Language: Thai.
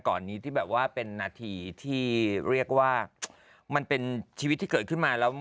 ก่อนนี้ที่แบบว่าเป็นนาทีที่เรียกว่ามันเป็นชีวิตที่เกิดขึ้นมาแล้ว